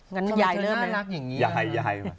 งั้นติดนี่ต่อไหล่ให้ทำไมจะมารับอย่างนี้